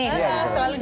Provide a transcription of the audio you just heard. iya selalu di film ini